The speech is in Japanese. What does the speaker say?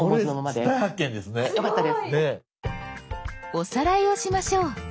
おさらいをしましょう。